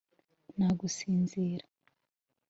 nta gusinzira